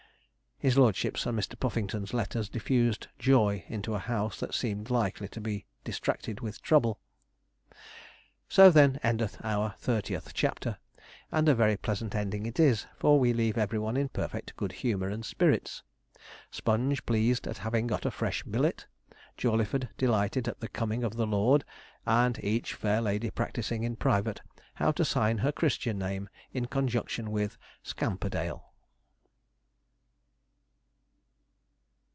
His lordship's and Mr. Puffington's letters diffused joy into a house that seemed likely to be distracted with trouble. So then endeth our thirtieth chapter, and a very pleasant ending it is, for we leave everyone in perfect good humour and spirits, Sponge pleased at having got a fresh billet, Jawleyford delighted at the coming of the lord, and each fair lady practising in private how to sign her Christian name in conjunction with 'Scamperdale.'